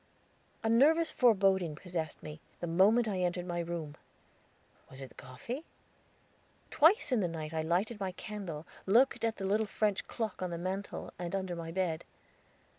A nervous foreboding possessed me, the moment I entered my room. Was it the coffee? Twice in the night I lighted my candle, looked at the little French clock on the mantel, and under the bed.